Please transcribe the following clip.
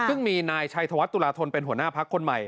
ซึ่งมีนายชัยธวัฒนตุลาธนเป็นหัวหน้าพักคนใหม่